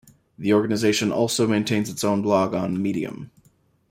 The organization also maintains its own blog on Medium.